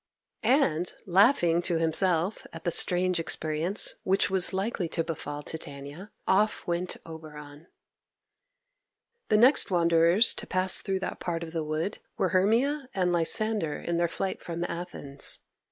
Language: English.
And, laughing to himself at the strange experience which was likely to befall Titania, off went Oberon. The next wanderers to pass through that part of the wood were Hermia and Lysander in their flight from Athens.